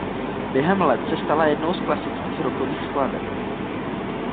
Během let se stala jednou z klasických rockových skladeb.